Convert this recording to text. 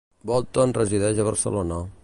Bolton resideix a Barcelona.